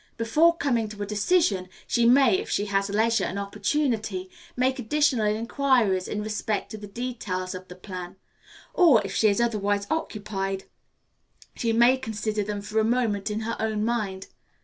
Before coming to a decision, she may, if she has leisure and opportunity, make additional inquiries in respect to the details of the plan; or, if she is otherwise occupied, she may consider them for a moment in her own mind.